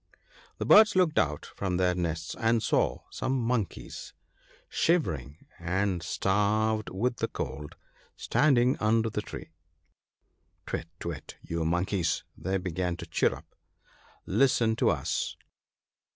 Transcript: The birds looked out from their nests, and saw some monkeys, shivering and starved with the cold, standing under the tree. " Twit ! twit ! you Monkeys," they began to chirrup. " Listen to us